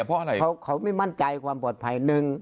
เพราะอะไรเขาไม่มั่นใจความปลอดภัย